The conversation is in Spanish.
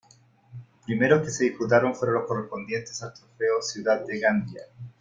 Los primeros que se disputaron fueron los correspondientes al trofeo Ciudad de Gandia.